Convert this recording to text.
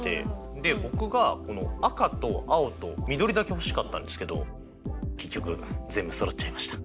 で僕がこの赤と青と緑だけ欲しかったんですけど結局全部そろっちゃいました。